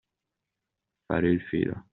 Fare il filo.